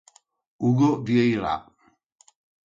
Hugo Vieira